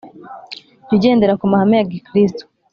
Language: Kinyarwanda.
Jya ugendera ku mahame ya Gikristo